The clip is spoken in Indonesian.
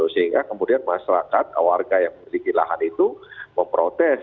sehingga kemudian masyarakat warga yang memiliki lahan itu memprotes